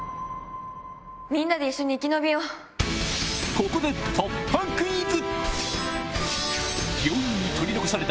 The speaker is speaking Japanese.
ここで突破クイズ！